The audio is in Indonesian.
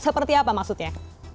seperti apa maksudnya